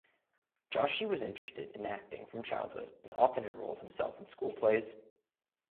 Joshi was interested in acting from childhood and often enrolled himself in school plays.